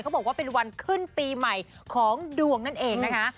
บอกว่าเป็นวันขึ้นปีใหม่ของดวงนั่นเองนะคะ